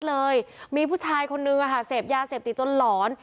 เลยมีผู้ชายคนนึงเสพยาเสพติดจนหลอน